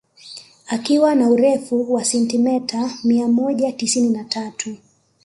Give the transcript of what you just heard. Akiwa na urefu wa sentimeta mia moja tisini na tatu